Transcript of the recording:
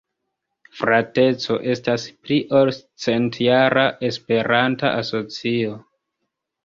Frateco estas pli ol centjara esperanta asocio.